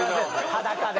裸で。